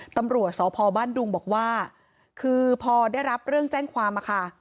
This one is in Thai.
ตำรวจสพบ้านดุงบอกว่าคือพอได้รับเรื่องแจ้งความอะค่ะ